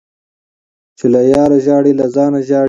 - چي له یاره ژاړي له ځانه ژاړي.